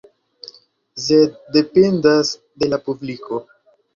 Sed dependas de la publiko.